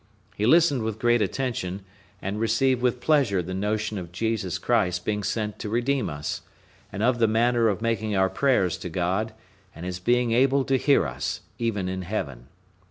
He listened with great attention, and received with pleasure the notion of Jesus Christ being sent to redeem us; and of the manner of making our prayers to God, and His being able to hear us, even in heaven.